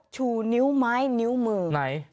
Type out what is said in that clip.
ชูนิ้วไม้นิ้วมือไหน